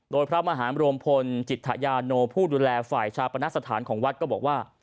โดยพระมหารวมพลจิตยาโนผู้ดูแลฝ่ายชาปนสถานของวัดก็บอกว่า